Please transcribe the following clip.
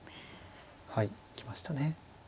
はい行きましたね。